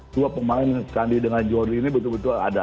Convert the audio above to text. dua pemain sandi dengan jordi ini betul betul ada